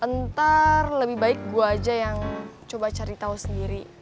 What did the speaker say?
ntar lebih baik gue aja yang coba cari tahu sendiri